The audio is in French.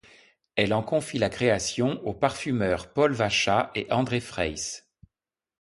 Elle en confie la création aux parfumeurs Paul Vacha et André Fraysse.